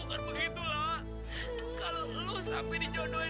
kalau lu sampai dijodohin